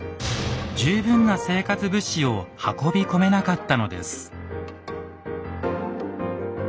十分な生活物資を運び込めなかったのです。